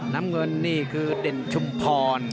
น้ำเงินนี่คือเด่นชุมพร